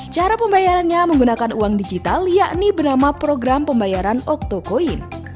cara pembayarannya menggunakan uang digital yakni bernama program pembayaran oktokoin